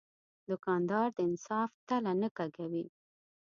دوکاندار د انصاف تله نه کږوي.